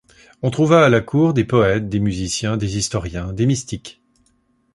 On trouva à la cour des poètes, des musiciens, des historiens, des mystiques.